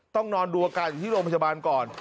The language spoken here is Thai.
ต้องนอนดูอาการอยู่ที่โรงพยาบาลก่อน